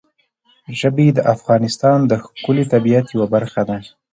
ژبې د افغانستان د ښکلي طبیعت یوه برخه ده.